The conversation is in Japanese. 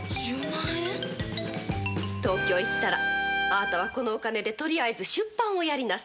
東京へ行ったらあなたはこのお金でとりあえず出版をやりなさい。